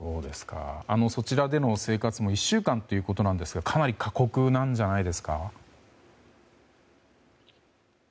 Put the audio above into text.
そちらでの生活ももう１週間ということですがかなり過酷なんじゃないですか。